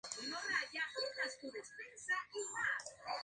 Su hábitat natural son: pantanos.